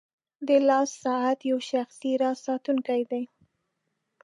• د لاس ساعت یو شخصي راز ساتونکی دی.